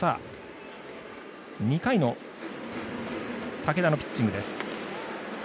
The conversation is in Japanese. ２回の武田のピッチングです。